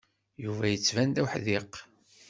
Yuba yettban d uḥdiq.